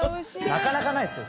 なかなかないですよ